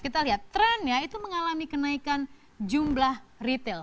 kita lihat trennya itu mengalami kenaikan jumlah retail